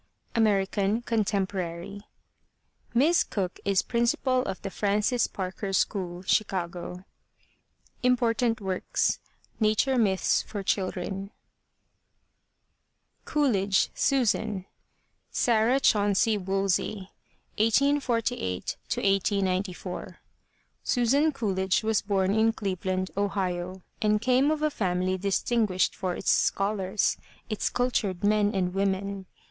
(American, contemporary) Miss Cooke is principal of the Francis Parker School, Chicago. Important Works: Nature Myths for Children. COOLIDGE, SUSAN (Sarah Chauncey Woolsey) 1848 1894. Susan Coolidge was bom in Cleveland, Ohio, and came of a family distinguished for its scholars, its cultured men and women.